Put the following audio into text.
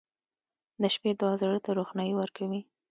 • د شپې دعا زړه ته روښنایي ورکوي.